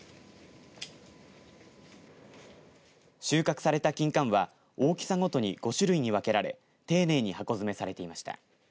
収穫されたきんかんは大きさごとに５種類に分けられ丁寧に箱詰めされていました。